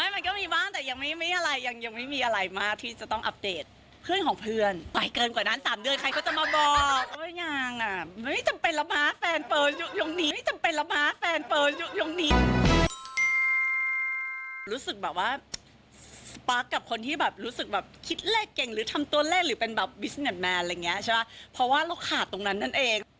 เพราะว่าเราขาดตรงนั้นนั่นเอง